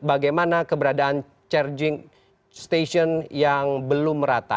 bagaimana keberadaan charging station yang belum rata